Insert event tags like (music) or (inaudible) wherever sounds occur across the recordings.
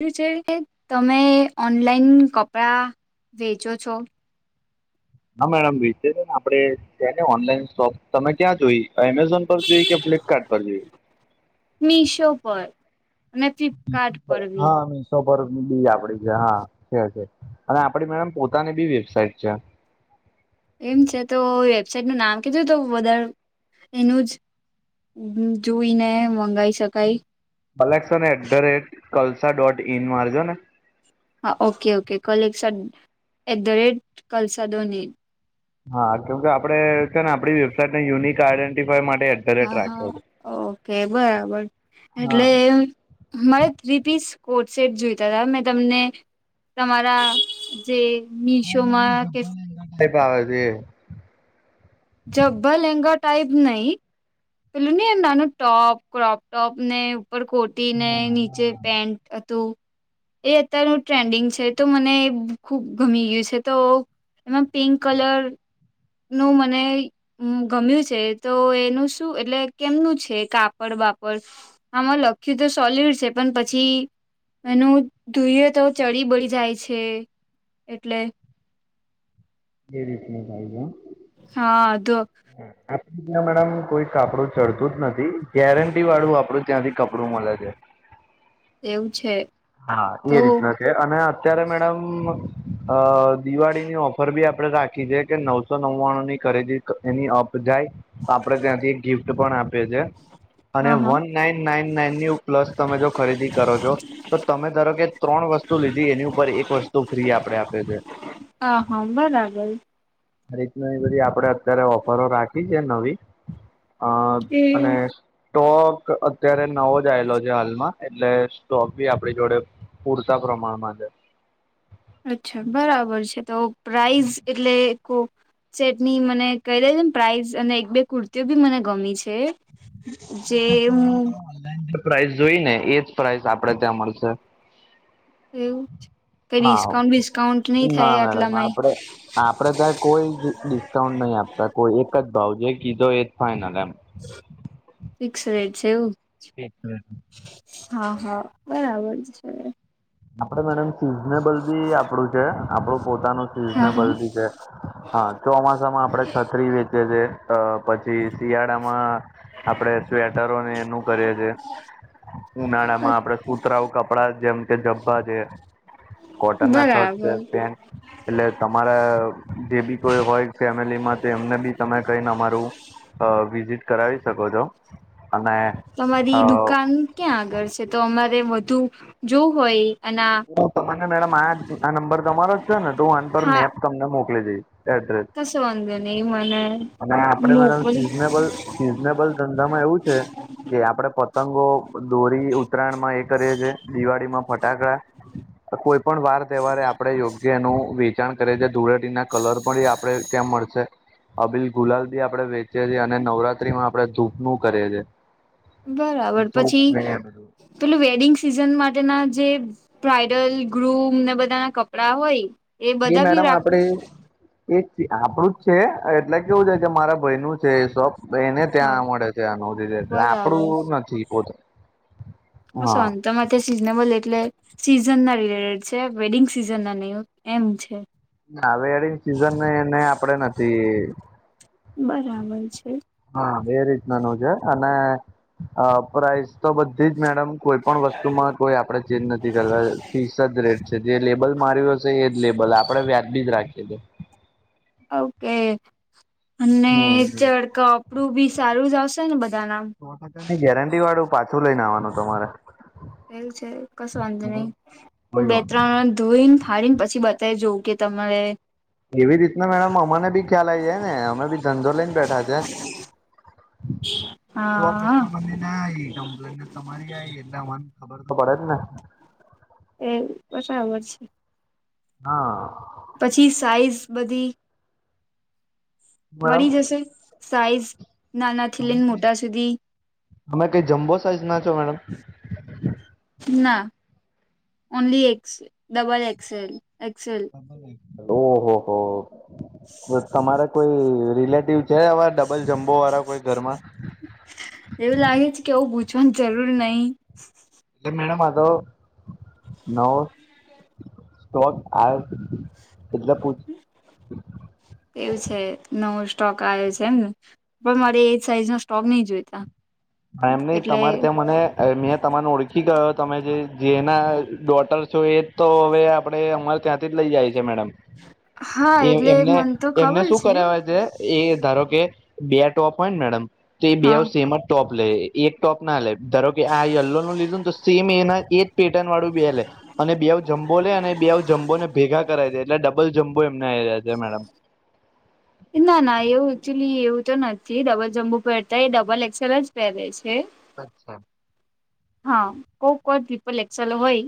(unintelligible) તમે ઓનલાઈન કપડાં વેચો છો? હહા મેડમજી છેને આપડે છેને ઓનલાઈન શોપ, તમે ક્યાં જોઈ? એમેઝોન? પર જોઈ, કે ફ્લિપકાર્ટ પર જોઈ? મીશો પર. અને ફ્લિપકાર્ટ પર બી હામી. તો (unintelligible) આપડી છે, હા છે છે, અને આપડી મેડમ પોતાની ભી વેબસાઇટ છે. એમ છે તો, વેબસાાઈટનું નામ કીધું તો બધારે એનું જ. હમ્મ હમ્મ જોઈને મંગાવી શકાય. Collection at the rate Kalsa dot in મારજોને. હા, okay okay, collection at the rate Kalsa દોની હા, કેમ કે આપડે છેને, આપણી વેબસાઈટ ને યુનિક આઈડેન્ટિફાઈ માટે ધ રેટ હા હા, રાખ્યો છે ઓકે બરાબર, હા એટલે મારે થ્રી પીસ કોડસેટ જોઈતા હતા, મેં તમને, તમારા તે મિશો મા કે (unintelligible) આવે છે. જભભા લેહેંગા ટાઈપ નહીં પેલું નહીં નાનું ટોપ ક્રોપ ટોપને ઉપર કોટીને નીચે પેન્ટ હતું એ અત્યારનું ટ્રેન્ડિંગ છે, તો મને ખુબ ગમી ગયું છે, તો એમાં પિંક કલરનું મને હું ગમ્યું છે, તો એનું શું એટલે કેમનું છે, કાપડ બાપડ આમાં લખ્યું તો સોલિડ છે, પણ પછી એનું તુંયે તો ચડી બળી જાય છે, એટલે (unintelligible) હા અધો આપ મેડમ કોઈ કાપડું ચડતું જ નથી ગેરંટીવાળું આપડું ત્યાંથી કપડું મળે છે. એવું છે. હા તો એ રીતના છે, અને અત્યારે મેડમ અ દિવાળીની ઓફર ભી આપડે રાખી જે કે નવસો નવાણું ની ખરીદી એની અપ જાય તો આપણે ત્યાંથી એક ગિફ્ટ પણ આપીએ છે અને હા હા વન નાઈન નાઈન નાઈનની પ્લસ તમે જો ખરીદી કરો છો તો તમે ધારો કે ત્રણ વસ્તુ લીધી એની ઉપર એક વસ્તુ ફ્રી આપણે આપે છે. હા હા બરાબર આ રીતના એ બધી આપડે અત્યારે ઓફરો રાખી છે નવી અ એ અને સ્ટોક અત્યારે નવો જ આવેલો છે હાલમાં એટલે સ્ટોક બી આપડી જોડે પૂરતા પ્રમાણમાં છે. અચ્છા બરાબર છે. તો પ્રાઇઝ એટલે કો સેટની મને કહી દેજોને પ્રાઇસ અને એક બે કુર્તીઓ બી મને ગમી છે. જે હું ઓનલાઇન જે પ્રાઇસ જોઈ ને એજ પ્રાઇસ આપડે ત્યાં મળશે. એવું કઈ હા ડિસ્કાઉન્ટ બિસ્કાઉન્ટ નહી થાય આટલામાંય. આપણે તા કોઈ જ ડિસ્કાઉન્ટ નહી આપતા કોઈ એક જ ભાવ જે કીધો એ જ ફાાઈનલ એમ. ફિક્સ રેટ છે. એવું (unintelligible) હા હા બરાબર છે. આપડે મેડમ સિઝનેબલ બી આપણું છે. આપણું પોતાનું હા સિઝનેબલ હા બી છે. હા ચોમાસામાં આપડે છત્રી વેચે છે. અ પછી શિયાળામાં આપડે સ્વેટરોને એનું કરીએ છે. ઉનાળા માં આપડે સુતરાઉ કપડા જેમ કે જભ્ભા છે કોટન ના શર્ટ છે બરાબર પેન્ટ એટલે તમારા જે બી કોઈ હોય ફેમિલીમાં તેમને બી તમે કઈને અમારું અ વિઝિટ કરાવી શકો છો અને અ તમારી દુકાન ક્યાં આગળ છે. તો અમારે વધુ જોવું હોય અને તમને મેડમ આ આ નંબર તમારો જ છે ને તો આન પર હા મેપ તમને મોકલી દઈશ એડ્રેસ કશો વાંધો નહી મને અને આપડે મેડમ મોકલી સિઝનેબલ સીઝનેબલ ધંધા માં એવું છે કે આપડે પતંગો દોરી ઉત્તરાયણ માં એ કરીએ છે. દિવાળીમાં ફટાકડા કોઈ પણ વાર તહેવારે આપણેે યોગ્ય એનું વેચાણ કરીએ છે ધૂળે ટી ના કલર પણ આપડે ત્યાં મળશે. અબીલ ગુલાલ બી આપડે વેચીએ છીએ અને નવરાત્રી માં આપણે ધૂપનું કરીએ છે. બરાબર પછી બધું પેલુ વેડિંગ સિઝન માટેના જે બ્રાઈડલ ગ્રૂમ ને બધા ના કપડા હોય એ બધા ભી મેડમ રાખો આપડે એ આપડું જ છે એટલે કેવું છે કે મારા ભાઈ નું છે એ સબ એને હા ત્યાં મળે છે. નહોંધી દ બરાબર આપણું નથી પોતે ક હા શું તમારે ત્યાં સિઝનેબલ એટલે સિઝનના રિલેટેડ છે. વેડિંગ સિઝન ના નહીં એમ છે. ના હવેળ સિઝન એને આપડે નથી બરાબર છે. હા એ રીતનાનુંું છે. અને પ્રઇઝ તો બધી જ મેડમ કોઈ પણણ વસ્તુમાં કોઈ આપડે ચેન્જ નથી કરતા ફીસ જ રેટ જે લેબલ માર્યું હશે એજ લેબલ આપડે વ્યાજ બીજ રાખીએ છે. ઓકે અને હમ હમ. ચડ કપડું બી સારું જ આવશે ને બધા ના ની ગેરંટી વાળું પાછું લઈને આવવાનું તમારે એવું છે. કસ વાંધ નહીિ હું કોઈ બે વાંધો નહી. ત્રણ ધોઈને ફાડીને પછી બતાવી જવં કે તમારે એવી રીતના મેડમ અમાને બી ખ્યાલ આવી જાય ને અમે બી ધંધો લઈને બેઠા છે. હા હા સ્વકષતા મ ન આ કમપલેને તમારી આઈ એટલા મન ખબર તો પડે જ ને એ બટબર છે. હા પછી સાઈઝ બધી મેડમ મળી જશે સાઈઝ નાના મોટા સુધી અમે કઈ જમ્બો સાઇઝ ના છો મેડમ ના only X double XL XL ઓહ હો તમારે કોઈ રિલેટિવ-' છે આવા ડબલ જમ્બો વાળા કોઈ ઘરમાં એવું લાગે છે કે આવું પૂછવાન જરૂર નહી. એટલે મેડમ આગો નવો-' સ્ટોક આયો એટલે પૂછ એવું છે નવો સ્ટોક આયો છે એમને પણ મારે એ સાઈઝ નો સ્ટોક નહી જોઈતા. હા એમ નહિ એટલે તમારે ત્યાં મને મેં તમન ઓળ ખી ગ્યો તમે જે જેના ડોટર છો એ તો હવે આપણે અમારે ત્યાંથી જ લઇ જાય છે મેડમ હા એ એટલે એમને મને તો એમને ખબર શું કરાવે છે. એ ધારો કે બે ટોપ હોય ને મેડમ તો એ બે હા સેમ જ ટોપ લે એક ટોપ ના લે ધારો કે આ યલ્લો નું લીધું ને તો સેમ એના એજ પેટર્ન વાળું બે લે. અને બેવ જમ્બો લે અને બેવ જમ્બો ને ભેગા કરાઈ દે એટલે ડબલ જમ્બો એમનેયારે છે મેડમ (inaudible) ના ના એવું એકચુલી એવું તો નથી ડબલ જમ્બો પણ અત્યારે એ ડબલ એક્સેલ જ પહેરે છે. કચ્છા હ અ કોક વાર ત્રીપલ એક્સલ હોય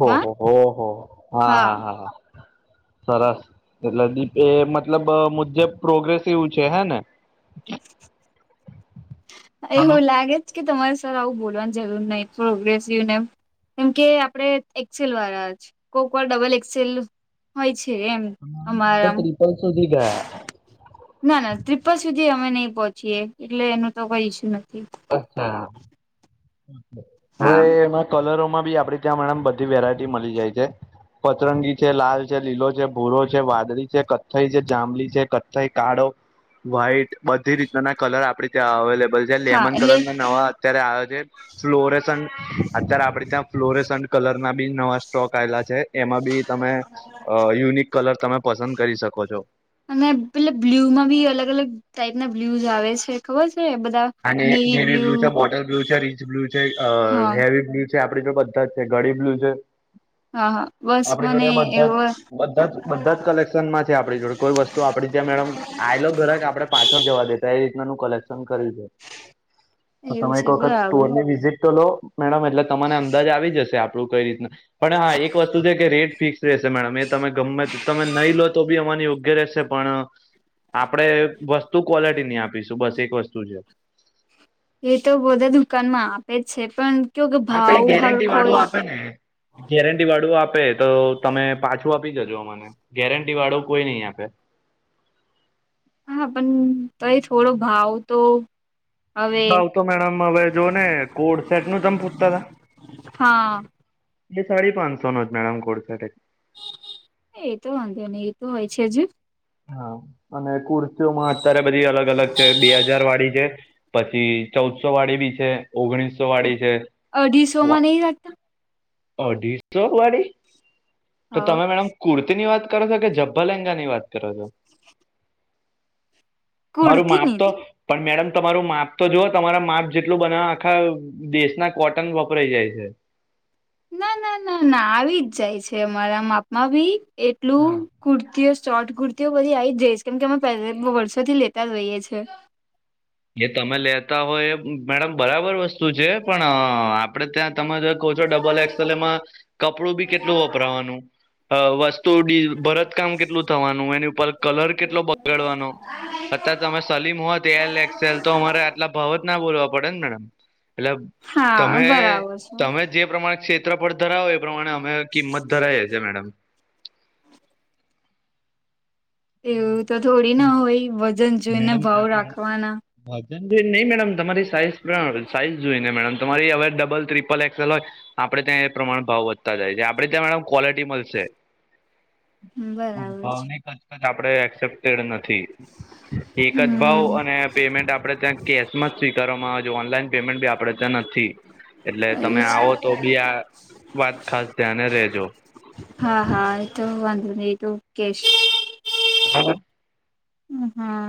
ઓહ હોહ હા હા હા સરસ એલેદીપ એ મતલબ મુજબ પ્રોગ્રેસિવ છે હે ને એવુ લાગે કે તમારે સર આવું બોલવાની જરૂર નહી પ્રોગ્રેસિવ ને એમ કેમ કે આપડે એક્સેલ વાળા છે કોકવાર ડબલ એક્સેલ હોય છે એમ તો અમારા ત્રિપલ સુધી ગયા. ના ના ટ્રીપલ સુધી અમે નહી પહોંચીએ એટલે એનું તો કોઈ ઈસ્યુ નથી. અરછા હવે હા એના કલરોમાં બી આપડે ત્યાં મેડમ બધી વેરાયટી મલી જાય છે. પતરંગી છે લાલ છે લીલો છે ભૂરો છે વાદળી છે કથ્થઈ છે જાંબલી છે કથ્થઈ કાળો વ્હાઈટ બધી રીતના ના કલર આપડી ત્યાં અવેલેબલ છે હા લેમન કલર એટલે ના નવા અત્યારે આયો છે. ફ્લોરેસન અત્યારે આપડે ત્યાં ફ્લોરેસન કલર ના બી નવા સ્ટોક આવેલા છે. એમાં બી તમે અ યુનિક કલર તમે પસંદ કરી શકો છો. અને પેલે બ્લ્યુ માં બી અલગ અલગ ટાઈપ ના બ્લુઝ આવે છે ખબર છે બધા અને નેવી બ્લુ છે બોટર બ્લુ છે રીચ બ્લુ છે અ હા હેવી બ્લુ છે આપડી જોડે બધા જ છે ગડીબ્લુ છે. હા હા બસ આપણી મને જોડે બધા એવો બધા જ બધા જ કલેક્શન માં છે આપણી જોડે કોઈ વસ્તુ આપડી જેમ આલ આયેલો ઘરે કે આપડે પાછળ જવા દેતા એ રીતનાનું કલેક્શન કર્યું છે. તો એવું તમે છે એક વખત બરાબર સ્ટોર ની વિઝિટ તો લો મેડમ એટલે તમારે અંદાજ આવી જશે આપણું કઈ રીતના પણ હા એક વસ્તુ છે કે રેટ ફિક્સ રહેશે મેડમ એ તમે ગમે તમે નહીં લો તો બી અમાને યોગ્ય રહેશે પણ આપણે વસ્તુ ક્વોલિટી ની આપીશું બસ એક વસ્તુ છે. એ તો બધે દુકાનમાં આપે જ છે પણ કેયો કે ભાવ હરખો હોય. ગેરંટી વાળું આપે તો તમે પાછું આપી જજો અમને ગેરંટી વાળું કોઈ નઈ આપે. હા પણ તોઈ થોડો ભાવ તો હવે ભાવ તો મેડમ હવે જો ને કોડ સેટ નું તમ પૂછતા તા. હા એ સાડી પાંચસો નો છે મેડમ કોડસેટે એતો વાંધે નઈ એતો હોય છે જ હા અને કુર્તીઓમાં અત્યારે બધી અલગ અલગ છે, બે હજાર વાળી છે. પછી ચૌદસો વાળી બી છે, ઓગણીસો વાળી છે. અઢીસો માં નહી રાખતા અઢીસો વાળી. તો હા તમે મેડમ કુર્તી ની વાત કરો છો કે જભા લેંગા ની વાત કરો છો. તમારું માપ કુર્તીની તો જ પણ મેડમ તમારું માપ તો જુઓ તમારા માપ જેટલું બનાવા આખા દેશના કોટન વપરાઈ જાય છે. ના ના ના ના આવી જ જાય છે અમારા માપમાં ભી હા એટલું કુર્તીઓ શોર્ટ કુર્તીઓ બધી આવી જઈશ કેમ કે અમે પહેલા વર્ષોથી લેતા જ રઈએ છીએ. જે તમે લેતા હોય એ મેડમ બરાબર વસ્તુ તું છે પણ આપડે ત્યાં તમે જો કહો છો ડબલ એક્સલ એમાં કપડું બી કેટલું વપરાવાનું વસ્તુ ભરત કામ કેટલું થવાનું એની ઉપર કલર કેટલો બગાડવાનો અત્યારે તમે સલીમ હોત એલ એક્સેલ તો અમારે આટલા ભાવ જ ના બોલવા પડે ને મેડમ એટલે હા તમે બરાબર છે તમે જે પ્રમાણે ક્ષેત્રફળ ધરાવો એ પ્રમાણે અમે કિંમત ધરાય છીએ મેડમ. એવું તો થોડી ના હોય વજન જોઈને ભાવ રાખવાના. વજન જો નહી મેડમ તમારી સાઈઝ પણ સાઈઝ જોઈ ને મેડમ તમારી હવે ડબલ ટ્રિપલ એક્સેલ હોય. આપડે ત્યાં એ પ્રમાણે ભાવ વધતા જાય છે આપડણે ત્યાં મેડમ ક્વોલિટી મળશે. (inaudible) બરાબર છે ભાવને કચ્ કાચ આપડે એક્સેપ્ટેડ નથી. એકજ ભાવ હમ અને પેમેન્ટ આપણે ત્યાં કેશમાં જ સ્વીકારવામાં આવે છે ઓનલાઈન પેમેન્ટ બી આપણે ત્યાં નથી. એટલે તમે એવું જ આવો તો બી આ વાત ખાસ ધ્યાને રેજો. હા હા એતો વાંધો નહી એ તો કેશ હા. હમ્મ હા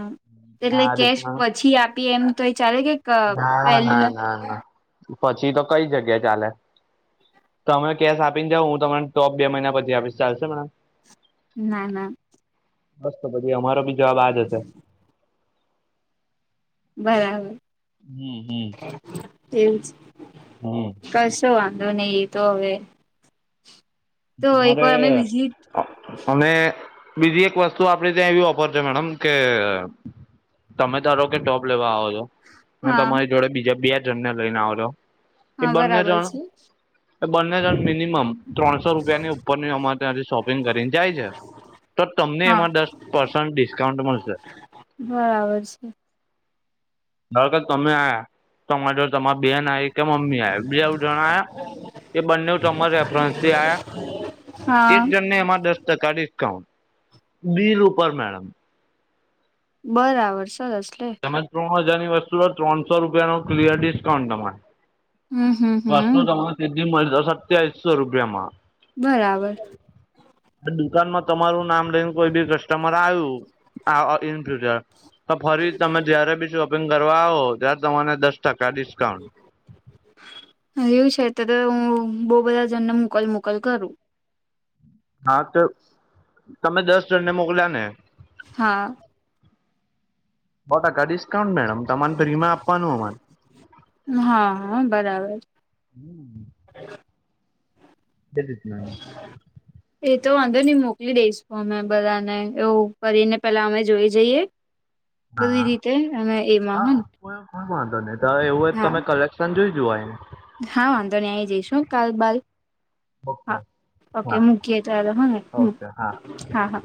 એટલે કેશ રીતના પછી આપી એમ તો એ ચાલે કે ક ના પેલ ના ના ના પછી તો કઈ જગ્યા ચાલે. તમે કેશ આપીને જાઓ હું તમને ટોપ બે મહિના પછી આપીશ ચાલશે મેડમ. ના ના. બસ તો પછી અમારો ભી જવાબ આ જ હશે. બરાબર. હમ્મ હમ્મ એવું જ કશો વાંધો નહી એ તો હવે. તો એક મારે વાર અમે વિઝિટ અને બીજી એક વસ્તુ આપડી ત્યાં એવી ઓફર છે મેડમ કે તમે ધારો કે જોબ લેવા આવો છો અને હા તમારી જોડે બીજા બે જણને લઈને આવ જો ઈ હા બંને બરાબર જણ છે બંને જણ મિનિમમ ત્રણસો રૂપિયાની ઉપરની અમારે ત્યાં શોપિંગ કરીને જાય છે. તો તમને હા એમાં દસ પર્સન્ટ ડિસ્કાઉન્ટ મળશે. બરાબર છે. કે તમે આ્યા તમાર જોડ તમારી બેન આવી કે મમ્મી આઈ બેવ જણ આયા એ બંને તમાર રેફરન્સથી આયા હા એક જણને એમાં દસ ટકા ડિસ્કાઉન્ટ. બીલ ઉપર મેડમ. બરાબર સરસ લે. તમે ત્રણ હજારની વસ્તુ હો ત્રણસો રૂપિયા નું ક્લીયર ડીસ્કાઉન્ટ તમારે. હમ હમ પર્સ તો હમ તમને તેથી મળશે સત્યાવીસો રૂપિયામાં. બરાબર. દુકાનમાં તમારું નામ લઈને કોઈ બી ક કસ્ટમર આયુ અ ઈન ફ્યુચર તો ફરી તમે જય્યારે બી શોપિંગ કરવા આવો ત્યારે તમાને દસ ટકા ડિસ્કાઉન્ટ. હ એવું છે તો તો હું બહુ બધા જણને મોકલ મોકલ કરું. હા તો તમે દસ જણને મોકલ્યા ને. હા સો ટકા ડિસ્કાઉન્ટ મેડમ તમન ફ્રી મા આપવાનું અમાને હા હા બરાબર. હમ (unintelligible) તે રીત ના. (unintelligible) એ તો વાંધો ની મોકલી દઈશ ફોન મા બધાને એવું કરીને પેલા અમે જોઈ જઈએ. બધી હા રીતે અને એમાં હો હા ને કોઈ કોઈ વાંધો નહી તો તમે એવું હા હોય કાલે. તન જોઇ જોવાય. હા વાંધો નઈ આઈ જઈશ હું કાલ બાલ ઓકે હા ઓકે હા મૂકીએ ત્યારે હોને. ઓકે હા હા હા.